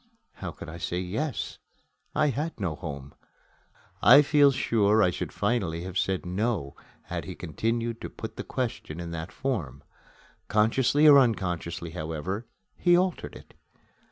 How could I say, "Yes"? I had no home. I feel sure I should finally have said, "No", had he continued to put the question in that form. Consciously or unconsciously, however, he altered it.